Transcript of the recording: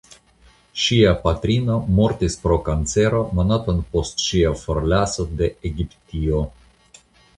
Ŝia patrino mortis pro kancero monaton post ŝia forlaso de Egiptio.